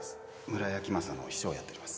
村井明正の秘書をやっております